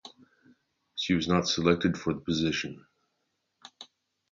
She was not selected for the position.